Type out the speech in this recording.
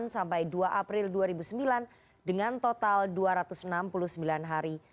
sampai dua april dua ribu sembilan dengan total dua ratus enam puluh sembilan hari